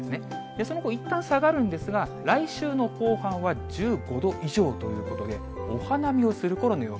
その後いったん下がるんですが、来週の後半は１５度以上ということで、お花見をするころの陽気。